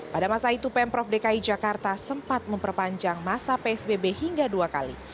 pada masa itu pemprov dki jakarta sempat memperpanjang masa psbb hingga dua kali